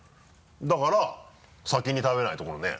だから先に食べないとこのねぇ。